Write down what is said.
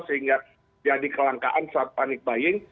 sehingga jadi kelangkaan saat panik buying